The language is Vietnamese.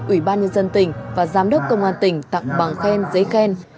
ủy ban nhân dân tỉnh và giám đốc công an tỉnh tặng bằng khen giấy khen